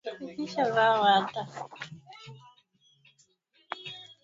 Imepewa jukumu kutekeleza Sheria ya Uhuru wa Habari nchini